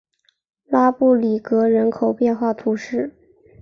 拉布里格人口变化图示